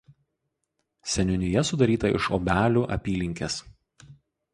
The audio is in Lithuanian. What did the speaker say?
Seniūnija sudaryta iš Obelių apylinkės.